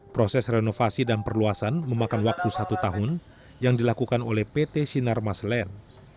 proses renovasi dan perluasan memakan waktu satu tahun yang dilakukan oleh pt sinar maslen